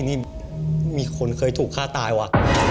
นี่มีคนเคยถูกฆ่าตายว่ะ